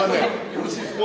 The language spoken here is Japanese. よろしいですか？